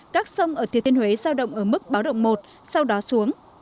các sông ở thừa thiên huế giao động ở mức báo động một sau đó xuống